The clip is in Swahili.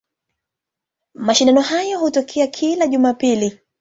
Mashindano hayo hutokea kila Jumapili.